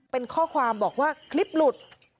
เป็นข้อความบอกว่าคลิปหลุด